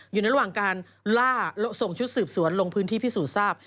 อยู่ในระหว่างการล่าส่งชุดสืบสวนลงพื้นที่พิสูจน์ทราบ